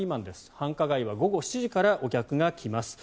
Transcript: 繁華街は午後７時からお客が来ます